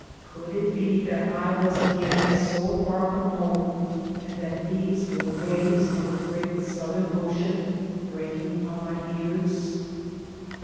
Could it be that I was again so far from home, and that these were the waves of the great Southern Ocean breaking on my ears?